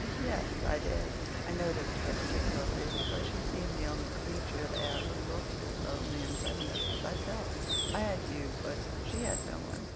"Yes, I did. I noticed her particularly because she seemed the only creature there who looked as lonely and friendless as I felt. I had you, but she had no one."